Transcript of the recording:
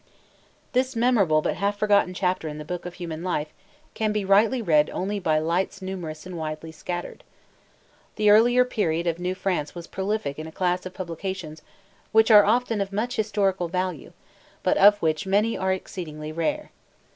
This memorable but half forgotten chapter in the book of human life can be rightly read only by lights numerous and widely scattered. The earlier period of New France was prolific in a class of publications which are often of much historic value, but of which many are exceedingly rare.